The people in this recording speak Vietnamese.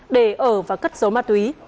để ở và cất giấu ma túy